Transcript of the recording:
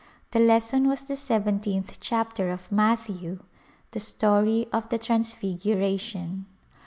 The lesson was the seventeenth chapter of Matthew, the story of the Transfiguration.